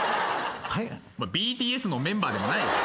ＢＴＳのメンバーでもない。